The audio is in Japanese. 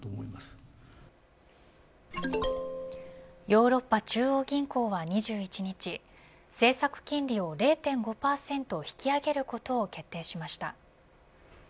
ヨーロッパ中央銀行は２１日政策金利を０．５％引き上げることを決定しました。